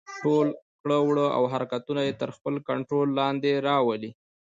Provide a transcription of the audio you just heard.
ټول کړه وړه او حرکتونه يې تر خپل کنټرول لاندې راولي.